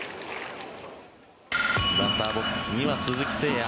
バッターボックスには鈴木誠也。